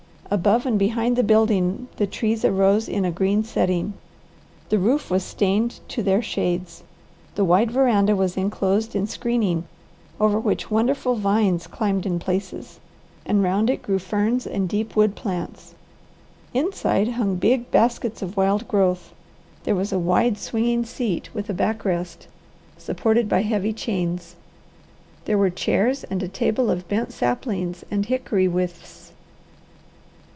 Above and behind the building the trees arose in a green setting. The roof was stained to their shades. The wide veranda was enclosed in screening, over which wonderful vines climbed in places, and round it grew ferns and deep wood plants. Inside hung big baskets of wild growth; there was a wide swinging seat, with a back rest, supported by heavy chains. There were chairs and a table of bent saplings and hickory withes.